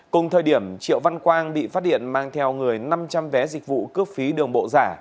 cùng thời điểm triệu văn quang bị phát điện mang theo người năm trăm linh vé dịch vụ cướp phí đường bộ giả